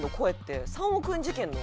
そう３億円事件の。